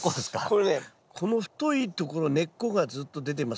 これねこの太いところ根っこがずっと出てますよね。